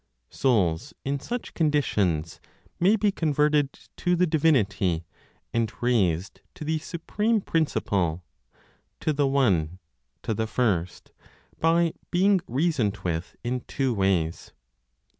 Souls in such conditions may be converted to the Divinity, and raised to the supreme Principle, to the One, to the First, by being reasoned with in two ways.